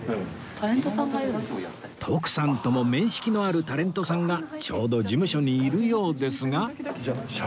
徳さんとも面識のあるタレントさんがちょうど事務所にいるようですが